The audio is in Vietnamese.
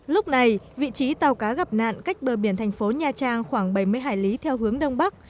lúc này vị trí tàu cá gặp nạn cách bờ biển thành phố nha trang khoảng bảy mươi hải lý theo hướng đông bắc